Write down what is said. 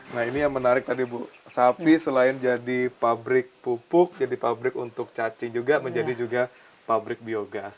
nah ini yang menarik tadi bu sapi selain jadi pabrik pupuk jadi pabrik untuk cacing juga menjadi juga pabrik biogas